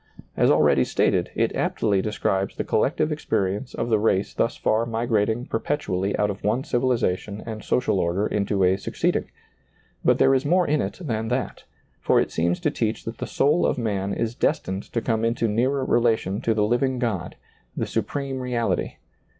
As already stated, it aptly describes the collective experience of the race thus far migrating perpetually out of one civilization and social order into a succeeding ; but there is more in it than that, for it seems to teach that the soul of man is destined to come into nearer relation to the hving God, the Supreme Reality.